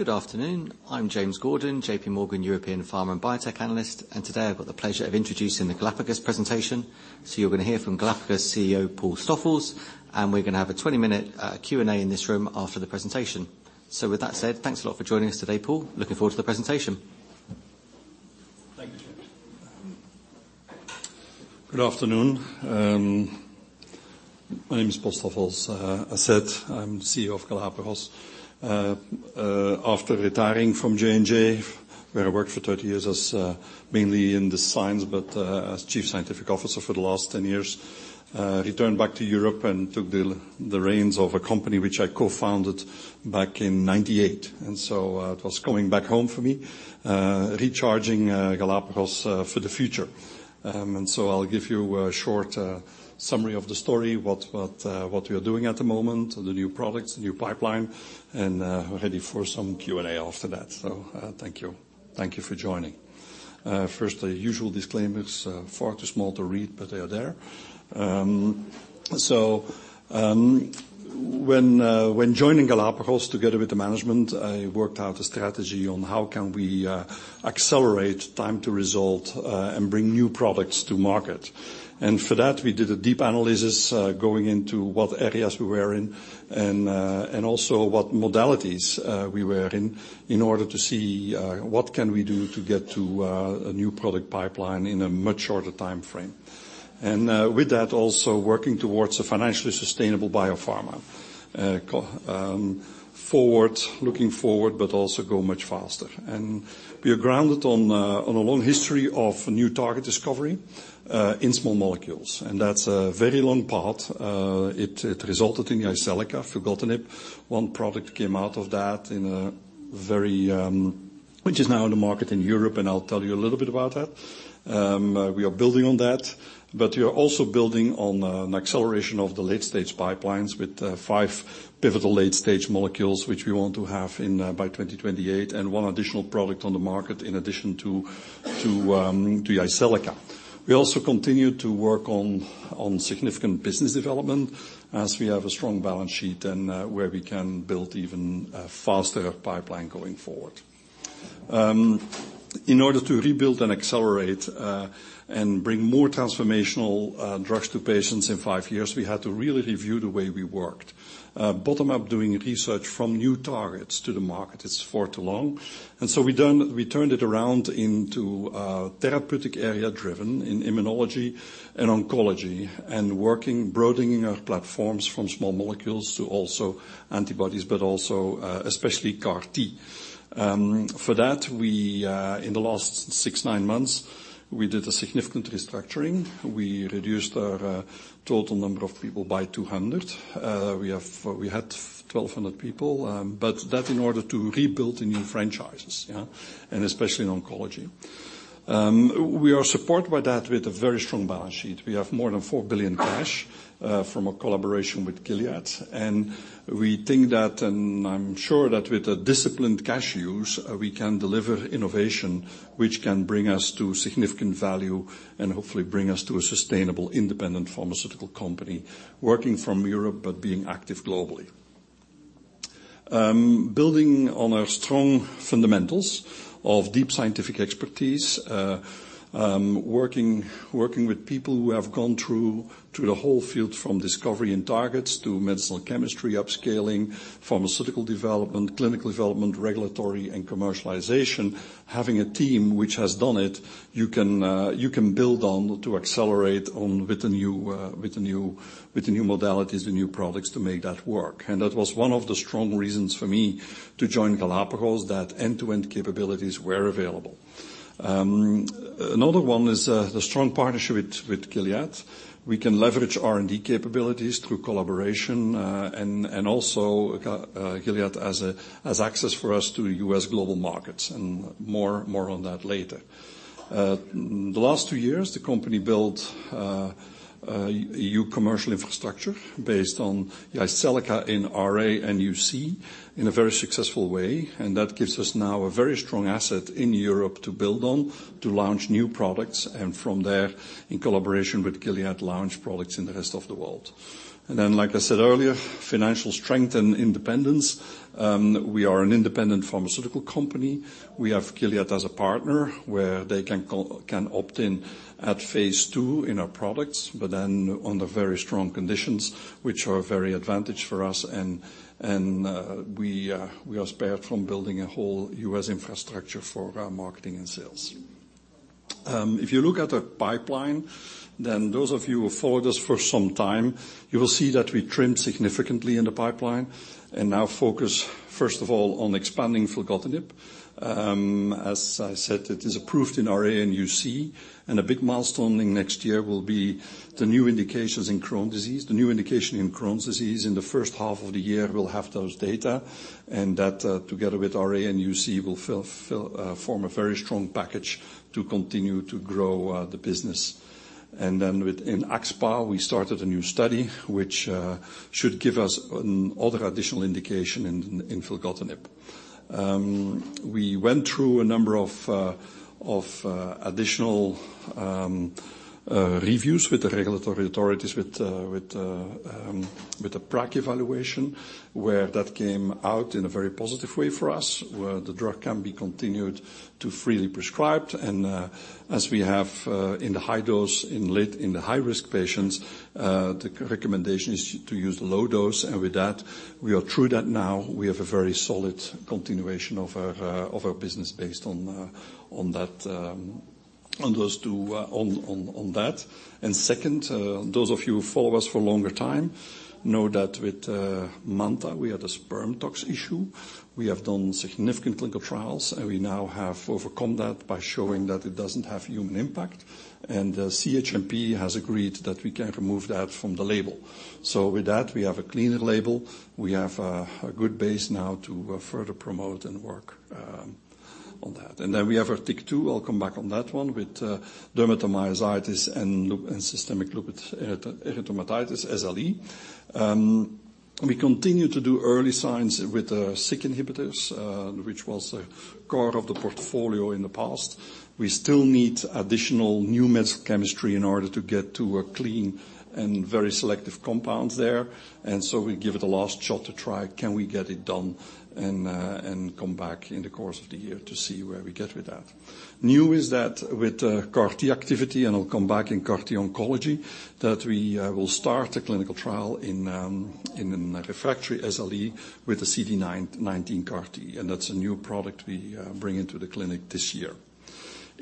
Good afternoon. I'm James Gordon, JPMorgan European Pharma and Biotech Analyst. Today I've got the pleasure of introducing the Galapagos presentation. You're going to hear from Galapagos CEO, Paul Stoffels. We're going to have a 20-minute Q&A in this room after the presentation. With that said, thanks a lot for joining us today, Paul. Looking forward to the presentation. Thank you, James. Good afternoon. My name is Paul Stoffels. As said, I'm CEO of Galapagos. After retiring from J&J, where I worked for 30 years as, mainly in the science, but, as Chief Scientific Officer for the last 10 years, returned back to Europe and took the reins of a company which I co-founded back in 1998. It was coming back home for me, recharging Galapagos for the future. I'll give you a short summary of the story, what we are doing at the moment, the new products, the new pipeline, and we're ready for some Q&A after that. Thank you. Thank you for joining. First, the usual disclaimers, far too small to read, but they are there. When joining Galapagos together with the management, I worked out a strategy on how can we accelerate time to result and bring new products to market. For that, we did a deep analysis going into what areas we were in and also what modalities we were in order to see what can we do to get to a new product pipeline in a much shorter timeframe. With that, also working towards a financially sustainable biopharma, looking forward, but also go much faster. We are grounded on a long history of new target discovery in small molecules. That's a very long path. It resulted in Jyseleca, filgotinib. One product came out of that in a very, Which is now in the market in Europe, and I'll tell you a little bit about that. We are building on that, but we are also building on an acceleration of the late-stage pipelines with five pivotal late-stage molecules, which we want to have in by 2028, and one additional product on the market in addition to Jyseleca. We also continue to work on significant business development as we have a strong balance sheet and where we can build even a faster pipeline going forward. In order to rebuild and accelerate and bring more transformational drugs to patients in five years, we had to really review the way we worked. Bottom up doing research from new targets to the market is far too long. We turned it around into therapeutic area driven in immunology and oncology, and working, broadening our platforms from small molecules to also antibodies, but also especially CAR-T. For that, we in the last six-nine months, we did a significant restructuring. We reduced our total number of people by 200. We had 1,200 people. That in order to rebuild the new franchises, yeah, and especially in oncology. We are supported by that with a very strong balance sheet. We have more than 4 billion cash from a collaboration with Gilead. We think that, and I'm sure that with a disciplined cash use, we can deliver innovation which can bring us to significant value and hopefully bring us to a sustainable, independent pharmaceutical company working from Europe but being active globally. Building on our strong fundamentals of deep scientific expertise, working with people who have gone through the whole field from discovery and targets to medicinal chemistry, upscaling, pharmaceutical development, clinical development, regulatory and commercialization. Having a team which has done it, you can build on to accelerate on with the new modalities, the new products to make that work. That was one of the strong reasons for me to join Galapagos, that end-to-end capabilities were available. Another one is the strong partnership with Gilead. We can leverage R&D capabilities through collaboration, and also Gilead has access for us to U.S. global markets and more, more on that later. The last two years, the company built a new commercial infrastructure based on Jyseleca in RA and UC in a very successful way. That gives us now a very strong asset in Europe to build on to launch new products. From there, in collaboration with Gilead, launch products in the rest of the world. Like I said earlier, financial strength and independence. We are an independent pharmaceutical company. We have Gilead as a partner where they can opt in at phase II in our products, under very strong conditions, which are very advantage for us and we are spared from building a whole U.S. infrastructure for our marketing and sales. If you look at the pipeline, those of you who followed us for some time, you will see that we trimmed significantly in the pipeline and now focus, first of all, on expanding filgotinib. As I said, it is approved in RA and UC, and a big milestone in next year will be the new indications in Crohn's disease. The new indication in Crohn's disease in the first half of the year will have those data. That together with RA and UC will form a very strong package to continue to grow the business. Then within AxSpA, we started a new study which should give us an other additional indication in filgotinib. We went through a number of additional reviews with the regulatory authorities with a PRAC evaluation, where that came out in a very positive way for us, where the drug can be continued to freely prescribed. As we have in the high dose in the high-risk patients, the recommendation is to use low dose. With that, we are through that now. We have a very solid continuation of our business based on that on those two on that. Second, those of you who follow us for longer time know that with MANTA, we had a sperm tox issue. We have done significant clinical trials, and we now have overcome that by showing that it doesn't have human impact. CHMP has agreed that we can remove that from the label. With that, we have a cleaner label. We have a good base now to further promote and work on that. Then we have our TYK2, I'll come back on that one, with dermatomyositis and systemic lupus erythematosus, SLE. We continue to do early signs with SIK inhibitors, which was a core of the portfolio in the past. We still need additional new medical chemistry in order to get to a clean and very selective compounds there. We give it a last shot to try, can we get it done and come back in the course of the year to see where we get with that. New is that with CAR-T activity, and I'll come back in CAR-T oncology, that we will start a clinical trial in a refractory SLE with a CD19 CAR-T. That's a new product we bring into the clinic this year.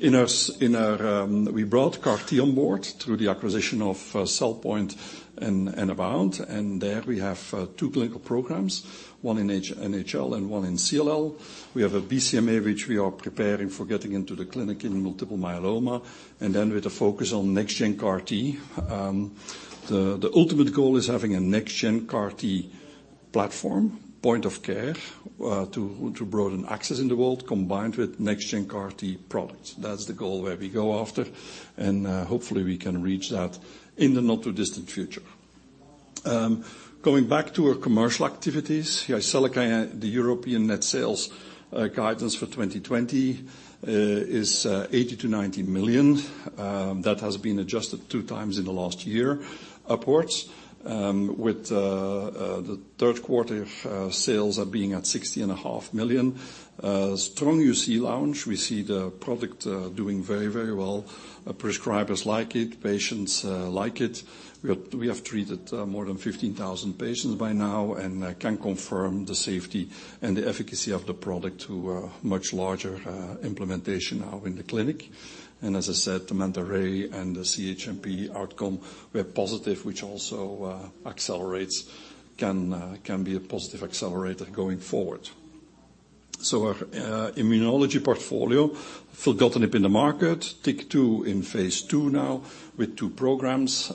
We brought CAR-T on board through the acquisition of CellPoint and AboundBio, and there we have two clinical programs, one in NHL and one in CLL. We have a BCMA which we are preparing for getting into the clinic in multiple myeloma with a focus on next-gen CAR-T. The ultimate goal is having a next-gen CAR-T platform, point of care, to broaden access in the world combined with next-gen CAR-T products. That's the goal where we go after, hopefully we can reach that in the not-too-distant future. Going back to our commercial activities. Jyseleca, the European net sales guidance for 2020 is 80 million-90 million. That has been adjusted 2x in the last year upwards with the 3rd quarter sales being at 60.5 million. Strong UC launch. We see the product doing very, very well. Prescribers like it, patients like it. We have treated more than 15,000 patients by now and can confirm the safety and the efficacy of the product to a much larger implementation now in the clinic. As I said, the MANTA-RAy and the CHMP outcome were positive, which also accelerates, can be a positive accelerator going forward. Our immunology portfolio, filgotinib in the market, TYK2 in phase II now with two programs,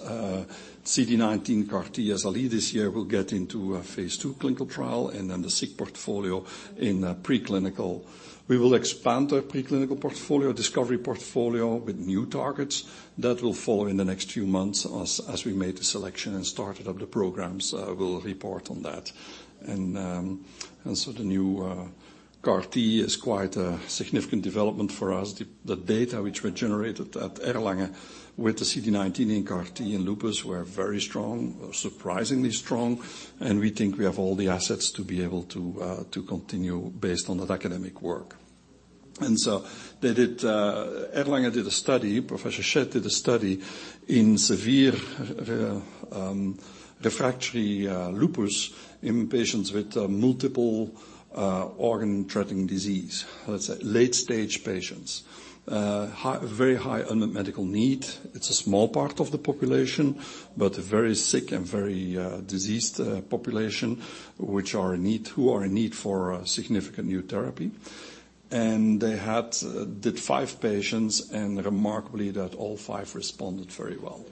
CD19 CAR-T SLE this year will get into a phase II clinical trial and then the SIK portfolio in preclinical. We will expand our preclinical portfolio, discovery portfolio with new targets. That will follow in the next few months as we made the selection and started up the programs, we'll report on that. The new CAR-T is quite a significant development for us. The data which were generated at Erlangen with the CD19 in CAR-T in lupus were very strong, surprisingly strong. We think we have all the assets to be able to continue based on that academic work. Erlangen did a study, Professor Schett did a study in severe, refractory lupus in patients with multiple organ-threatening disease. Let's say late stage patients. Very high unmet medical need. It's a small part of the population, but a very sick and very diseased population who are in need for significant new therapy. They did five patients. Remarkably, that all five responded very well.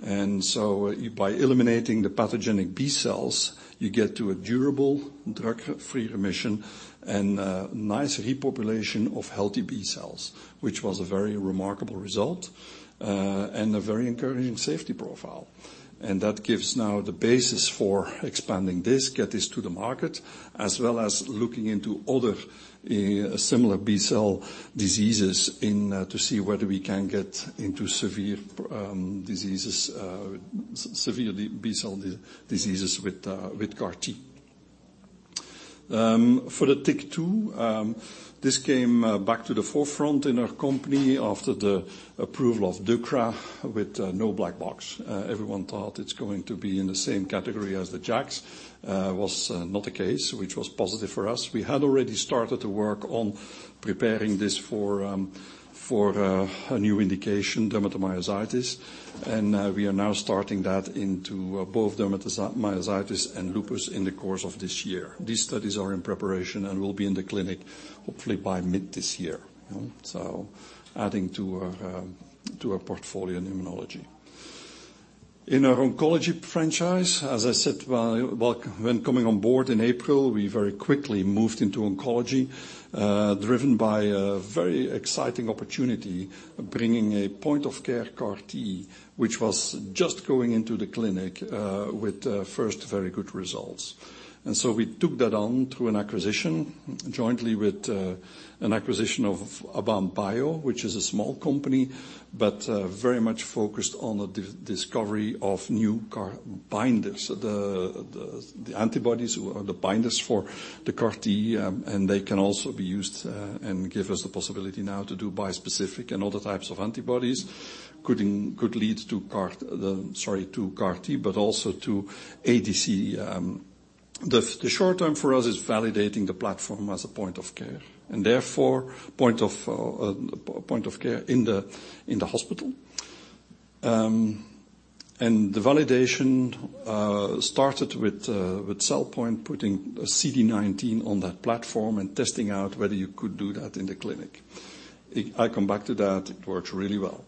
By eliminating the pathogenic B-cells, you get to a durable drug-free remission and nice repopulation of healthy B-cells, which was a very remarkable result and a very encouraging safety profile. That gives now the basis for expanding this, get this to the market, as well as looking into other similar B-cell diseases to see whether we can get into severe diseases, severe B-cell diseases with CAR-T. For the TYK2, this came back to the forefront in our company after the approval of deucra with no black box. Everyone thought it's going to be in the same category as the JAKs. Was not the case, which was positive for us. We had already started to work on preparing this for a new indication, dermatomyositis. We are now starting that into both dermatomyositis and lupus in the course of this year. These studies are in preparation and will be in the clinic hopefully by mid this year. Adding to our portfolio in immunology. In our oncology franchise, as I said, well, when coming on board in April, we very quickly moved into oncology, driven by a very exciting opportunity bringing a point-of-care CAR-T, which was just going into the clinic, with first very good results. We took that on through an acquisition jointly with an acquisition of AboundBio, which is a small company, but very much focused on the discovery of new CAR binders. The antibodies or the binders for the CAR-T, and they can also be used, and give us the possibility now to do bispecific and other types of antibodies. Could lead to CAR-T, but also to ADC. The short term for us is validating the platform as a point of care, and therefore point of care in the hospital. And the validation started with CellPoint putting CD19 on that platform and testing out whether you could do that in the clinic. I come back to that, it works really well.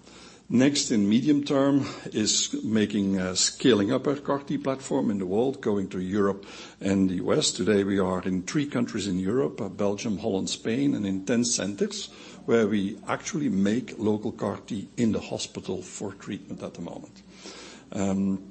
Next, in medium term is making scaling up our CAR-T platform in the world, going to Europe and the U.S. Today, we are in three countries in Europe, Belgium, Holland, Spain, and in 10 centers where we actually make local CAR-T in the hospital for treatment at the moment.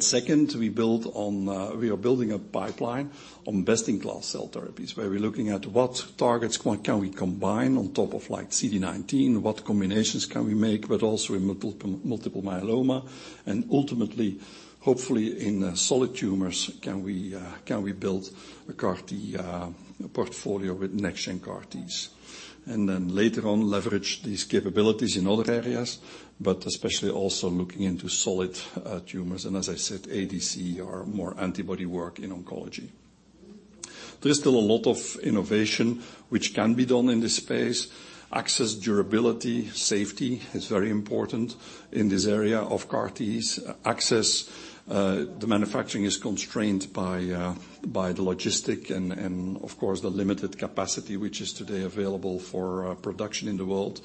Second, we are building a pipeline on best-in-class cell therapies, where we're looking at what targets can we combine on top of like CD19, what combinations can we make, but also in multiple myeloma and ultimately, hopefully in solid tumors, can we build a CAR-T portfolio with next-gen CAR-Ts. Later on leverage these capabilities in other areas, but especially also looking into solid tumors, and as I said, ADC or more antibody work in oncology. There's still a lot of innovation which can be done in this space. Access, durability, safety is very important in this area of CAR-Ts access. The manufacturing is constrained by the logistic and of course, the limited capacity which is today available for production in the world.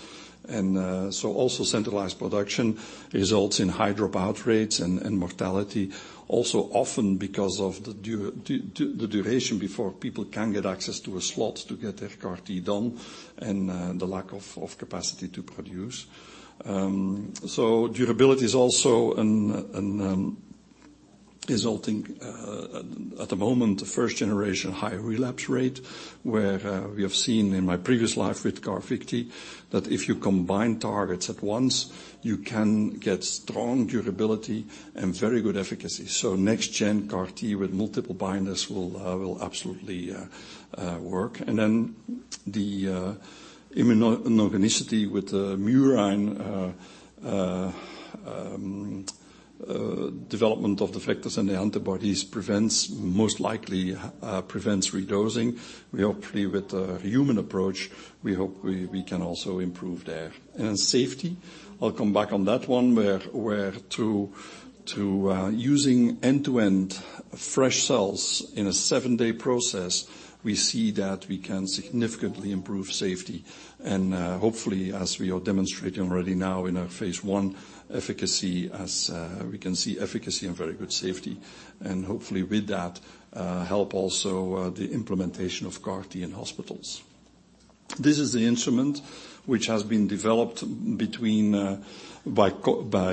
Also centralized production results in high dropout rates and mortality. Also, often because of the duration before people can get access to a slot to get their CAR-T done and the lack of capacity to produce. Durability is also an resulting at the moment, the first generation high relapse rate, where we have seen in my previous life with CARVYKTI, that if you combine targets at once, you can get strong durability and very good efficacy. Next gen CAR-T with multiple binders will absolutely work. The immunogenicity with the murine development of the vectors and the antibodies prevents, most likely, redosing. We hopefully with the human approach, we hope we can also improve there. Safety, I'll come back on that one, where through to using end-to-end fresh cells in a seven-day process, we see that we can significantly improve safety. Hopefully, as we are demonstrating already now in our phase I efficacy as we can see efficacy and very good safety, hopefully with that help also the implementation of CAR-T in hospitals. This is the instrument which has been developed between by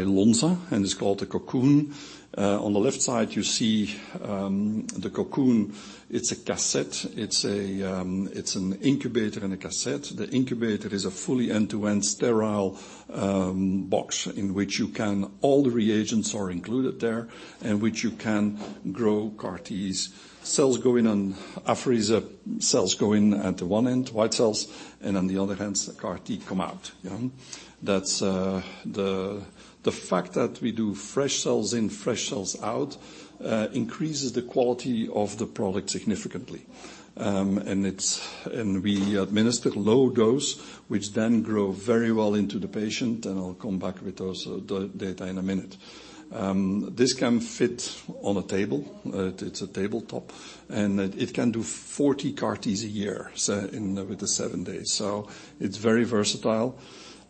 Lonza, and it's called a Cocoon. On the left side, you see the Cocoon. It's a cassette. It's an incubator and a cassette. The incubator is a fully end-to-end sterile box in which all the reagents are included there, in which you can grow CAR-Ts. Cells go in and apheresis, cells go in at the one end, white cells, and on the other end, CAR-T come out. Yeah. That's the fact that we do fresh cells in, fresh cells out increases the quality of the product significantly. We administer low dose, which then grow very well into the patient, and I'll come back with those data in a minute. This can fit on a table. It's a tabletop, and it can do 40 CAR-Ts a year, so with the seven days. It's very versatile.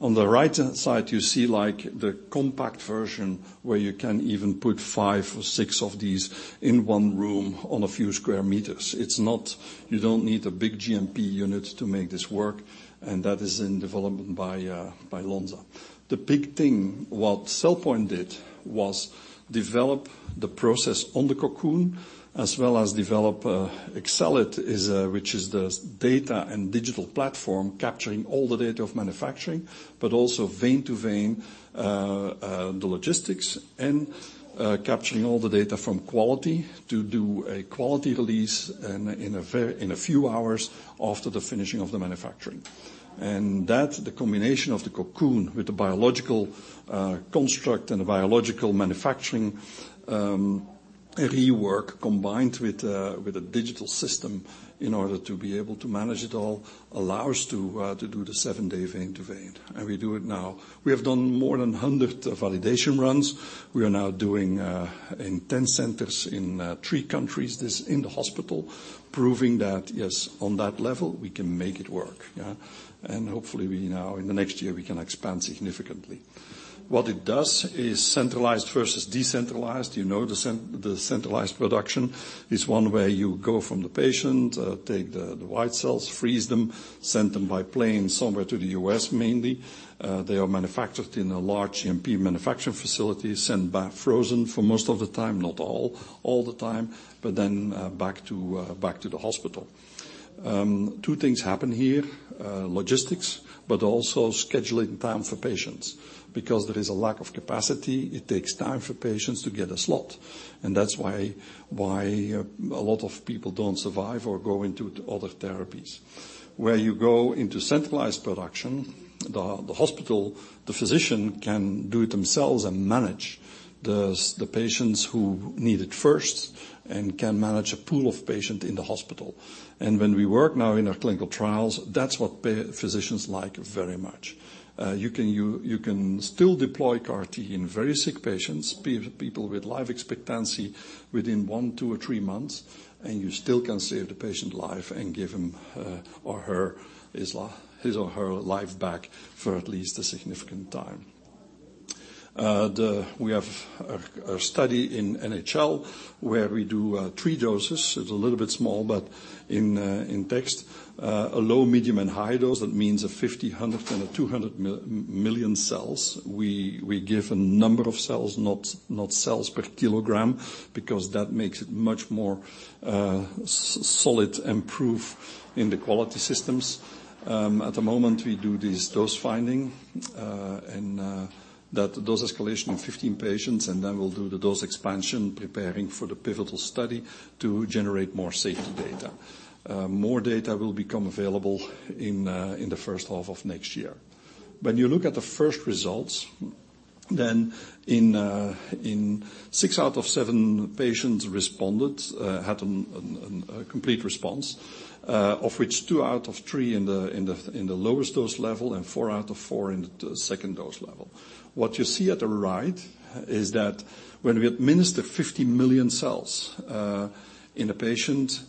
On the right side, you see like the compact version where you can even put five or six of these in one room on a few square meters. It's not. You don't need a big GMP unit to make this work. That is in development by Lonza. The big thing CellPoint did was develop the process on the Cocoon, as well as develop xCellit, which is the data and digital platform capturing all the data of manufacturing, but also vein to vein, the logistics and capturing all the data from quality to do a quality release in a few hours after the finishing of the manufacturing. That, the combination of the Cocoon with the biological construct and the biological manufacturing rework, combined with a digital system. In order to be able to manage it all, allow us to do the seven-day vein to vein, and we do it now. We have done more than 100 validation runs. We are now doing in 10 centers in three countries, this in the hospital, proving that, yes, on that level, we can make it work, yeah? Hopefully we now, in the next year, we can expand significantly. What it does is centralized versus decentralized. You know the centralized production is one where you go from the patient, take the white cells, freeze them, send them by plane somewhere to the U.S. mainly. They are manufactured in a large MP manufacturing facility, sent back frozen for most of the time, not all the time, back to the hospital. Two things happen here, logistics, but also scheduling time for patients. There is a lack of capacity, it takes time for patients to get a slot, and that's why a lot of people don't survive or go into other therapies. Where you go into centralized production, the hospital, the physician can do it themselves and manage the patients who need it first and can manage a pool of patient in the hospital. When we work now in our clinical trials, that's what physicians like very much. You can still deploy CAR-T in very sick patients, people with life expectancy within one, two, or thre months, and you still can save the patient life and give him or her his or her life back for at least a significant time. We have a study in NHL where we do 3 doses. It's a little bit small, but in text, a low, medium, and high dose, that means a 50 million, 100 million, and a 200 million cells. We give a number of cells, not cells per kilogram because that makes it much more solid and proof in the quality systems. At the moment, we do this dose finding, and that dose escalation in 15 patients, and then we'll do the dose expansion, preparing for the pivotal study to generate more safety data. More data will become available in the first half of next year. When you look at the first results, six out of seven patients responded, had a complete response, of which two out of three in the lowest dose level and four out of four in the second dose level. What you see at the right is that when we administer 50 million cells in a patient,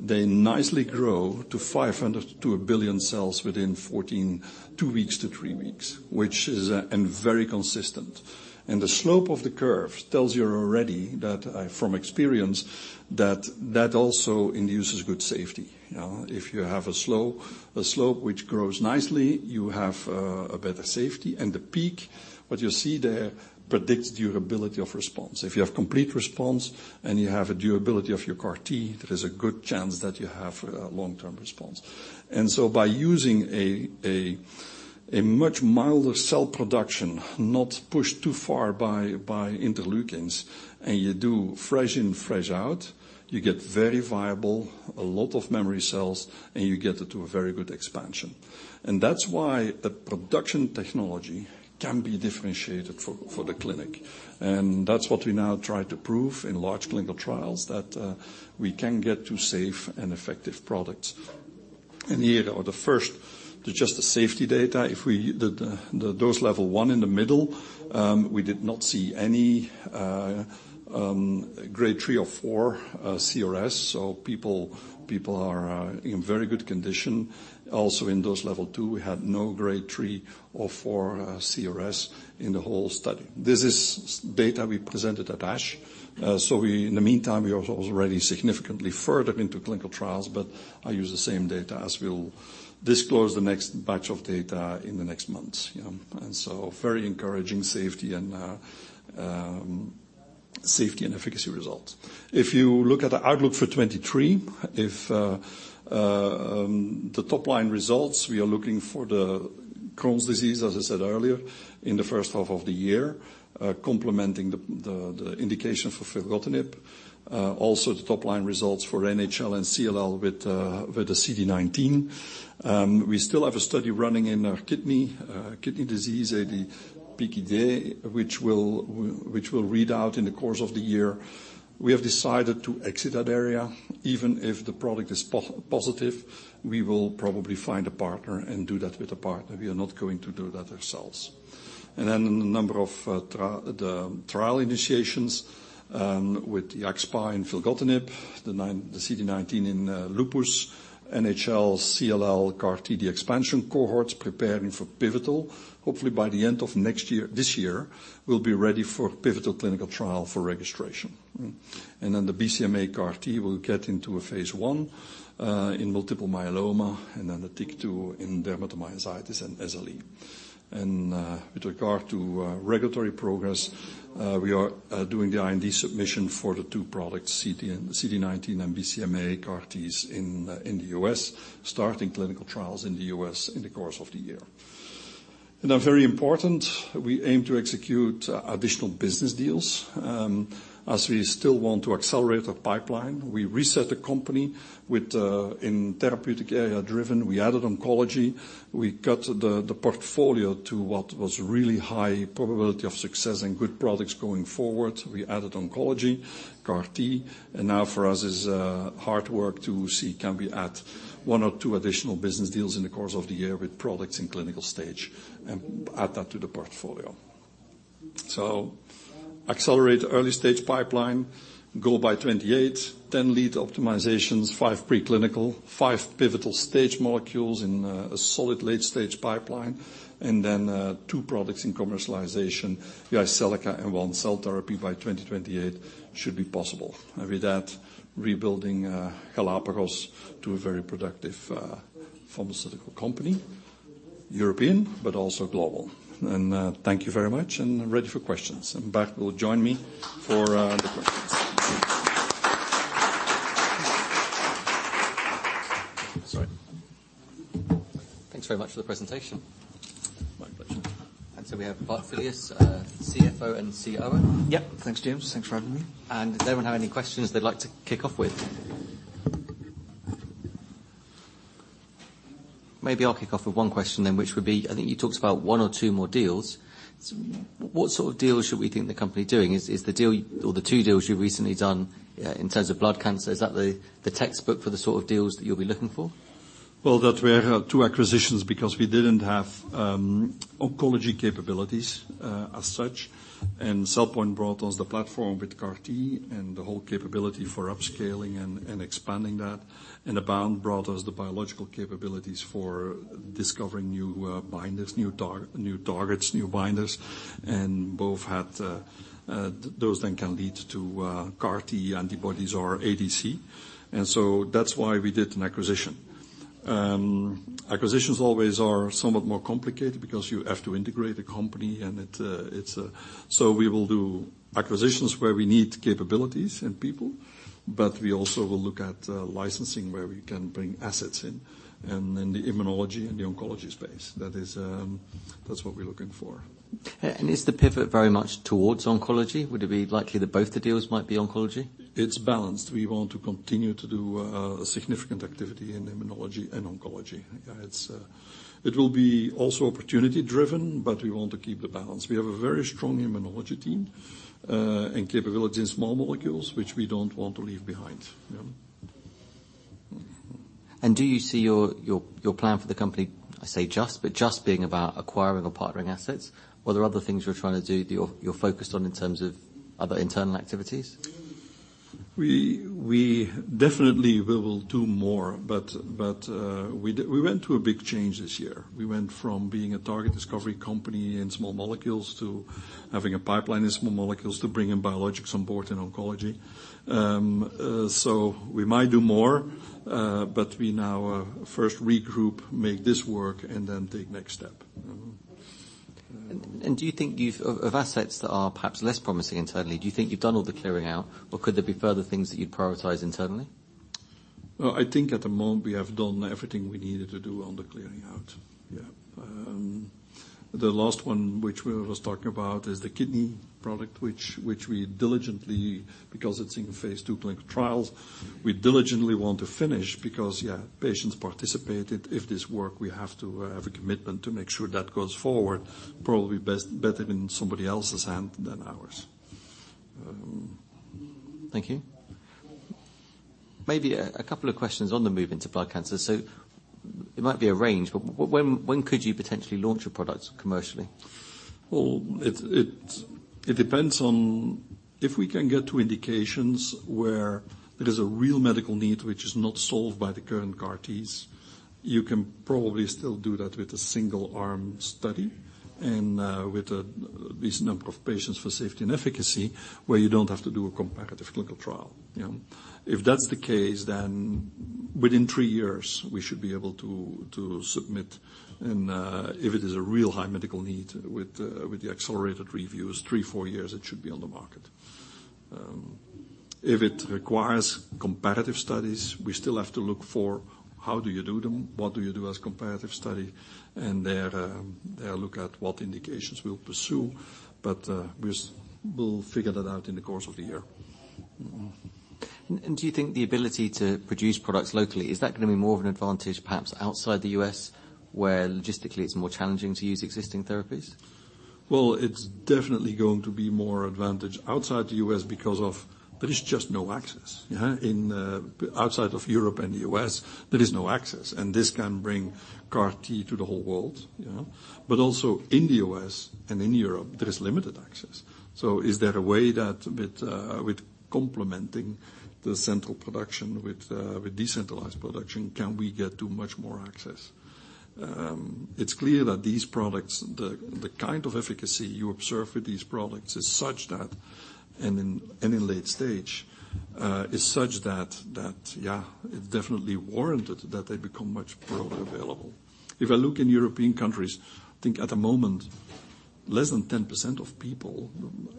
they nicely grow to 500 to 1 billion cells within 14, two weeks to three weeks, which is and very consistent. The slope of the curve tells you already that, from experience, that that also induces good safety. You know, if you have a slope which grows nicely, you have a better safety. The peak, what you see there predicts durability of response. If you have complete response and you have a durability of your CAR-T, there is a good chance that you have a long-term response. By using a much milder cell production, not pushed too far by interleukins, and you do fresh in, fresh out, you get very viable, a lot of memory cells, and you get it to a very good expansion. That's why the production technology can be differentiated for the clinic. That's what we now try to prove in large clinical trials, that we can get to safe and effective products. Here are the first, just the safety data. The dose level one in the middle, we did not see any grade three or four CRS, so people are in very good condition. Also in dose level two, we had no Grade 3 or 4 CRS in the whole study. This is data we presented at ASH. We, in the meantime, we are also already significantly further into clinical trials, but I use the same data as we'll disclose the next batch of data in the next months, you know. Very encouraging safety and safety and efficacy results. You look at the outlook for 2023, if the top-line results, we are looking for the Crohn's disease, as I said earlier, in the first half of the year, complementing the indication for filgotinib. Also the top-line results for NHL and CLL with the CD19. We still have a study running in kidney disease, the PKI, which will read out in the course of the year. We have decided to exit that area. Even if the product is positive, we will probably find a partner and do that with a partner. We are not going to do that ourselves. A number of the trial initiations with the AxSpA and filgotinib, the CD19 in lupus, NHL, CLL, CAR-T, the expansion cohorts preparing for pivotal. Hopefully by the end of next year, this year, we'll be ready for pivotal clinical trial for registration. Then the BCMA CAR-T will get into a phase I in multiple myeloma and then the TYK2 in dermatomyositis and SLE. With regard to regulatory progress, we are doing the IND submission for the two products, CD and CD19 and BCMA CAR-Ts in the U.S., starting clinical trials in the U.S. in the course of the year. Now very important, we aim to execute additional business deals as we still want to accelerate the pipeline. We reset the company with in therapeutic area driven. We added oncology. We cut the portfolio to what was really high probability of success and good products going forward. We added oncology, CAR-T, and now for us is hard work to see can we add one or two additional business deals in the course of the year with products in clinical stage and add that to the portfolio. Accelerate early stage pipeline, go by 2028, 10 lead optimizations, five preclinical, five pivotal stage molecules in a solid late stage pipeline, and then, two products in commercialization, the Jyseleca and one cell therapy by 2028 should be possible. With that, rebuilding Galapagos to a very productive pharmaceutical company, European but also global. Thank you very much, and I'm ready for questions. Bart will join me for the questions. Sorry. Thanks very much for the presentation. My pleasure. We have Bart Filius, CFO and COO. Yep. Thanks, James. Thanks for having me. Does anyone have any questions they'd like to kick off with? Maybe I'll kick off with one question then, which would be, I think you talked about one or two more deals. What sort of deals should we think the company doing? Is the deal or the two deals you've recently done in terms of blood cancer, is that the textbook for the sort of deals that you'll be looking for? That were two acquisitions because we didn't have oncology capabilities as such. CellPoint brought us the platform with CAR-T and the whole capability for upscaling and expanding that. AboundBio brought us the biological capabilities for discovering new binders, new targets, new binders. Both had those then can lead to CAR-T antibodies or ADC. That's why we did an acquisition. Acquisitions always are somewhat more complicated because you have to integrate the company. We will do acquisitions where we need capabilities and people, but we also will look at licensing where we can bring assets in and in the immunology and the oncology space. That is, that's what we're looking for. Is the pivot very much towards oncology? Would it be likely that both the deals might be oncology? It's balanced. We want to continue to do significant activity in immunology and oncology. It's, it will be also opportunity-driven, but we want to keep the balance. We have a very strong immunology team, and capability in small molecules, which we don't want to leave behind. Yeah. Do you see your plan for the company, I say just, but just being about acquiring or partnering assets? Are there other things you're trying to do, you're focused on in terms of other internal activities? We definitely we will do more. We went through a big change this year. We went from being a target discovery company in small molecules to having a pipeline in small molecules to bring in biologics on board in oncology. We might do more, we now first regroup, make this work, and then take next step. Of assets that are perhaps less promising internally, do you think you've done all the clearing out, or could there be further things that you'd prioritize internally? Well, I think at the moment we have done everything we needed to do on the clearing out. Yeah. The last one which we was talking about is the kidney product, which we diligently Because it's in phase II clinical trials, we diligently want to finish because, yeah, patients participated. If this work, we have to have a commitment to make sure that goes forward, probably better in somebody else's hand than ours. Thank you. Maybe a couple of questions on the move into blood cancer. It might be a range, but when could you potentially launch a product commercially? Well, it depends on if we can get to indications where there's a real medical need which is not solved by the current CAR-Ts, you can probably still do that with a single-arm study and with a decent number of patients for safety and efficacy, where you don't have to do a comparative clinical trial. You know? If that's the case, then within three years we should be able to submit. If it is a real high medical need with the accelerated reviews, three, four years, it should be on the market. If it requires comparative studies, we still have to look for how do you do them, what do you do as comparative study, and there look at what indications we'll pursue. We'll figure that out in the course of the year. Mm-hmm. Do you think the ability to produce products locally, is that going to be more of an advantage perhaps outside the U.S., where logistically it's more challenging to use existing therapies? Well, it's definitely going to be more advantage outside the U.S. because of there is just no access. Yeah. In, outside of Europe and the U.S., there is no access, and this can bring CAR-T to the whole world. You know? Also in the U.S. and in Europe, there is limited access. Is there a way that with complementing the central production with decentralized production, can we get to much more access? It's clear that these products, the kind of efficacy you observe with these products is such that, and in late stage, is such that, yeah, it definitely warranted that they become much broader available. If I look in European countries, I think at the moment, less than 10% of people,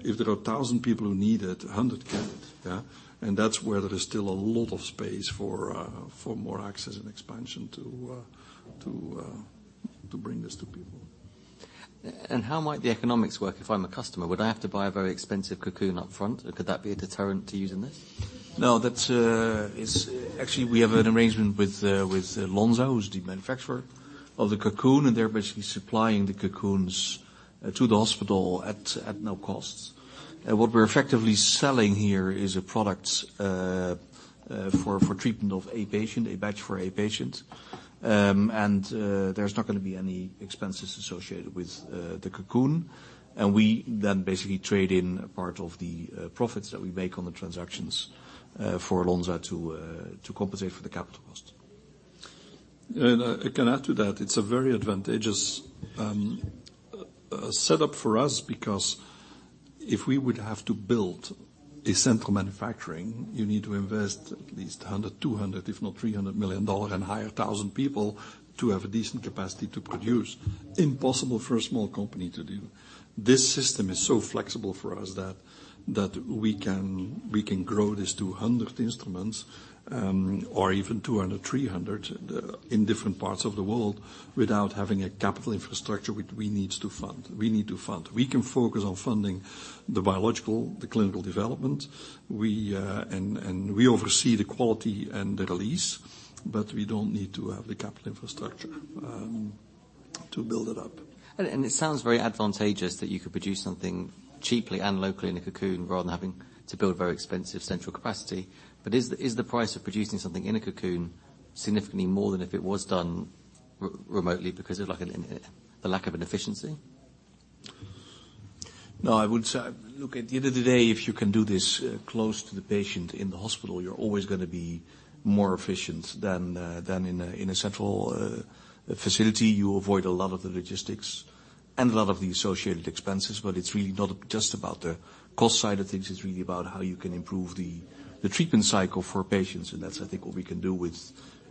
if there are 1,000 people who need it, 100 get it. Yeah. That's where there is still a lot of space for more access and expansion to bring this to people. How might the economics work if I'm a customer? Would I have to buy a very expensive Cocoon upfront? Could that be a deterrent to using this? No. That's. Actually, we have an arrangement with Lonza, who's the manufacturer of the Cocoon, and they're basically supplying the Cocoons to the hospital at no cost. What we're effectively selling here is a product for treatment of a patient, a batch for a patient. There's not going to be any expenses associated with the Cocoon. We then basically trade in a part of the profits that we make on the transactions for Lonza to compensate for the capital cost. I can add to that. It's a very advantageous setup for us, because if we would have to build a central manufacturing, you need to invest at least $100 million, $200 million, if not $300 million and hire 1,000 people to have a decent capacity to produce. Impossible for a small company to do. This system is so flexible for us that we can grow this 200 instruments, or even 200, 300 in different parts of the world without having a capital infrastructure which we need to fund. We need to fund. We can focus on funding the biological, the clinical development. We oversee the quality and the release, but we don't need to have the capital infrastructure to build it up. It sounds very advantageous that you could produce something cheaply and locally in a Cocoon rather than having to build very expensive central capacity. Is the price of producing something in a Cocoon significantly more than if it was done remotely because of like the lack of an efficiency? No, I would say... Look, at the end of the day, if you can do this close to the patient in the hospital, you're always going to be more efficient than in a, in a central, facility. You avoid a lot of the logistics and a lot of the associated expenses. It's really not just about the cost side of things, it's really about how you can improve the treatment cycle for patients. That's I think what we can do with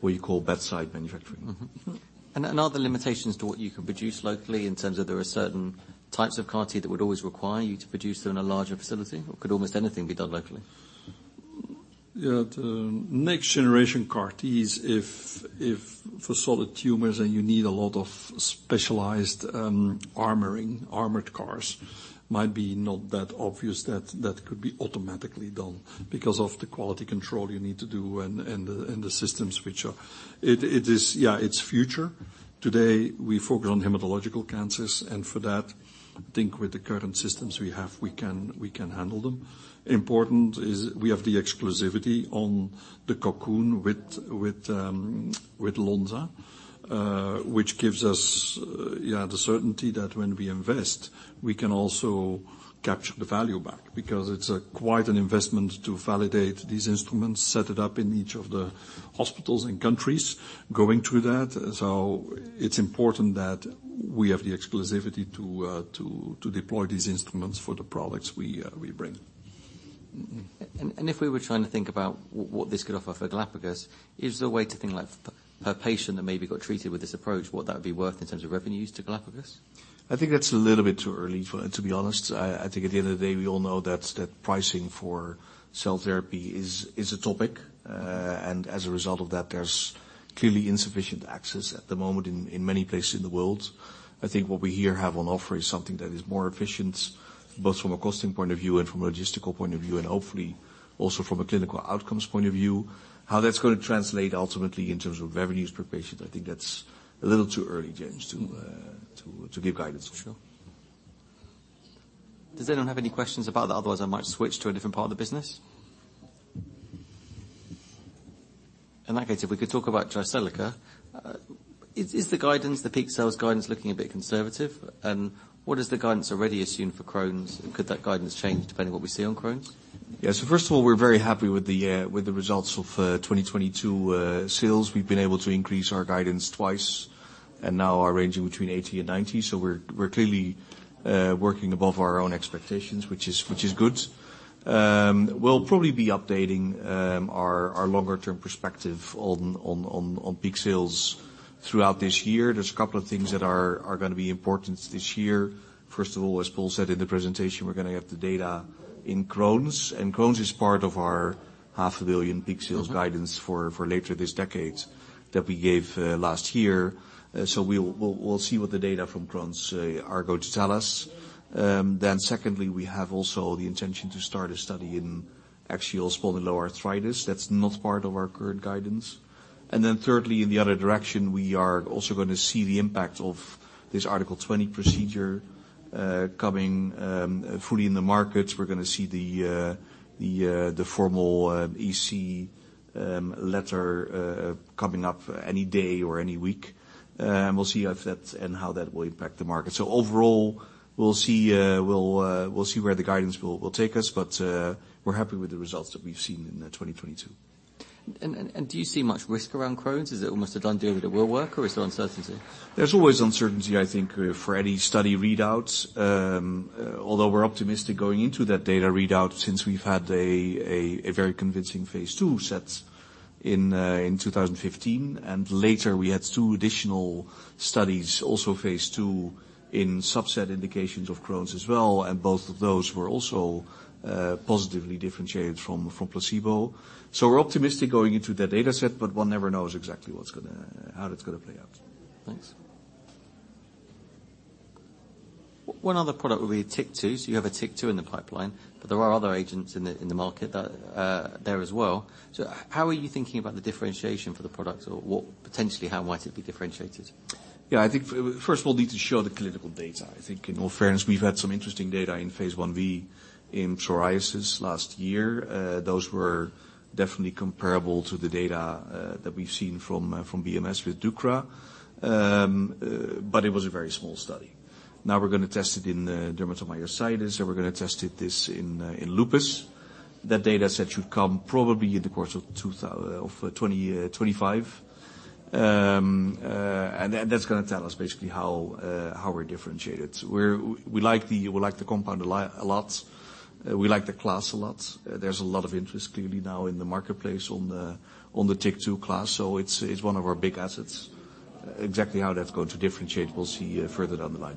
what you call bedside manufacturing. Mm-hmm. Are there limitations to what you can produce locally in terms of there are certain types of CAR-T that would always require you to produce them in a larger facility, or could almost anything be done locally? The next generation CAR-T is if for solid tumors and you need a lot of specialized armoring, armored cars, might be not that obvious that that could be automatically done because of the quality control you need to do and the systems which are... It is... It's future. Today, we focus on hematological cancers, and for that, I think with the current systems we have, we can handle them. Important is we have the exclusivity on the Cocoon with Lonza, which gives us the certainty that when we invest, we can also capture the value back because it's quite an investment to validate these instruments, set it up in each of the hospitals and countries going through that. It's important that we have the exclusivity to deploy these instruments for the products we bring. If we were trying to think about what this could offer for Galapagos, is there a way to think like per patient that maybe got treated with this approach, what that would be worth in terms of revenues to Galapagos? I think that's a little bit too early for. To be honest, I think at the end of the day, we all know that pricing for cell therapy is a topic. As a result of that, there's clearly insufficient access at the moment in many places in the world. I think what we here have on offer is something that is more efficient both from a costing point of view and from a logistical point of view, and hopefully also from a clinical outcomes point of view. How that's going to translate ultimately in terms of revenues per patient, I think that's a little too early, James, to give guidance. Sure. Does anyone have any questions about that? Otherwise, I might switch to a different part of the business. In that case, if we could talk about Jyseleca. Is the guidance, the peak sales guidance looking a bit conservative? What does the guidance already assume for Crohn's, and could that guidance change depending what we see on Crohn's? Yeah. First of all, we're very happy with the results of 2022 sales. We've been able to increase our guidance twice and now are ranging between 80 and 90. We're clearly working above our own expectations, which is good. We'll probably be updating our longer term perspective on peak sales throughout this year. There's a couple of things that are going to be important this year. First of all, as Paul said in the presentation, we're going to have the data in Crohn's, and Crohn's is part of our 0.5 billion peak sales guidance. Mm-hmm. For later this decade that we gave last year. We'll see what the data from Crohn's are going to tell us. Secondly, we have also the intention to start a study in axial spondyloarthritis. That's not part of our current guidance. Thirdly, in the other direction, we are also going to see the impact of this Article 20 procedure coming fully in the markets. We're going to see the formal EC letter coming up any day or any week. We'll see if that and how that will impact the market. Overall, we'll see where the guidance will take us. We're happy with the results that we've seen in 2022. Do you see much risk around Crohn's? Is it almost a done deal that it will work, or is there uncertainty? There's always uncertainty, I think, for any study readouts. Although we're optimistic going into that data readout since we've had a very convincing phase II set in 2015. Later, we had two additional studies, also phase II, in subset indications of Crohn's disease as well, and both of those were also positively differentiated from placebo. We're optimistic going into that dataset, but one never knows exactly how that's going to play out. Thanks. One other product would be TYK2. You have a TYK2 in the pipeline, but there are other agents in the, in the market that, there as well. How are you thinking about the differentiation for the product or potentially, how might it be differentiated? I think first of all, need to show the clinical data. I think in all fairness, we've had some interesting data in phase I-B in psoriasis last year. Those were definitely comparable to the data that we've seen from BMS with deucra. It was a very small study. Now we're going to test it in dermatomyositis, and we're going to test it this in lupus. That dataset should come probably in the course of 2025. That's going to tell us basically how we're differentiated. We like the, we like the compound a lot. We like the class a lot. There's a lot of interest clearly now in the marketplace on the TYK2 class, so it's one of our big assets. Exactly how that's going to differentiate, we'll see, further down the line.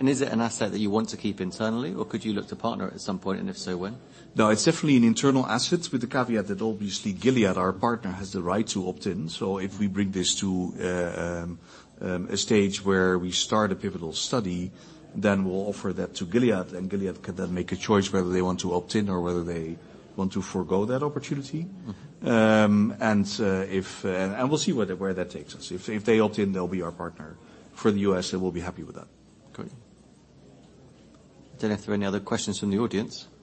Is it an asset that you want to keep internally, or could you look to partner at some point, and if so, when? No, it's definitely an internal asset with the caveat that obviously Gilead, our partner, has the right to opt in. If we bring this to a stage where we start a pivotal study, we'll offer that to Gilead can then make a choice whether they want to opt in or whether they want to forgo that opportunity. We'll see where that, where that takes us. If they opt in, they'll be our partner for the U.S., we'll be happy with that. Got it. Don't know if there are any other questions from the audience.